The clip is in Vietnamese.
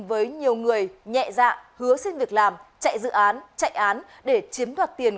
với nhiều người nhẹ dạ hứa xin việc làm chạy dự án chạy án để chiếm đoạt tiền